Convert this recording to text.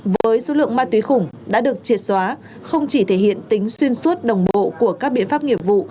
với số lượng ma túy khủng đã được triệt xóa không chỉ thể hiện tính xuyên suốt đồng bộ của các biện pháp nghiệp vụ